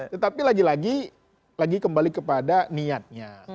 tetapi lagi lagi kembali kepada niatnya